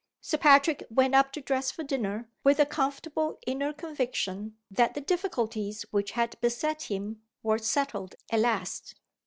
Sir Patrick went up to dress for dinner, with a comfortable inner conviction that the difficulties which had beset him were settled at last.